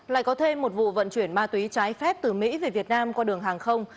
lại có thêm một vụ vận chuyển ma túy trái phép từ mỹ về việt nam qua đường hàng không